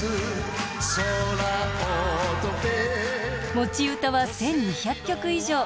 持ち歌は１，２００曲以上。